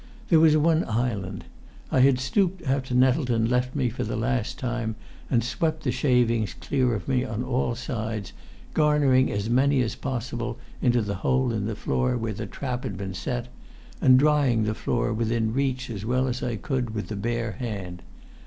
There was one island. I had stooped after Nettleton left me for the last time, and swept the shavings clear of me on all sides, garnering as many as possible into the hole in the floor where the trap had been set, and drying the floor within reach as well as I could with the bare hand.